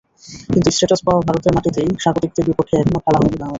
কিন্তু স্ট্যাটাস পাওয়ার ভারতের মাটিতেই স্বাগতিকদের বিপক্ষে এখনো খেলা হয়নি বাংলাদেশের।